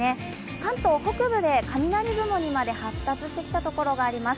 関東北部で雷雲にまで発達してきたところがあります。